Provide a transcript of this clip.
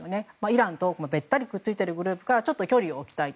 イランとべったりくっついているグループから距離を置きたい。